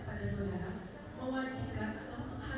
jadi saudara jelaskan bahwa